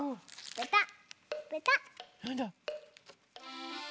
ペタッ。